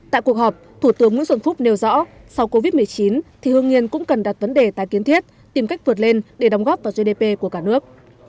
tại cuộc họp thủ tướng nguyễn xuân phúc nêu rõ sau covid một mươi chín thì hương yên cũng cần đặt vấn đề tài kiến thiết tìm cách vượt lên để đóng góp vào gdp của cả nước